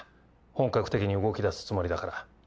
本格的に動きだすつもりだから。